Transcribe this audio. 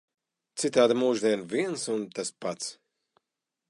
Citādi mūždien viens un tas pats.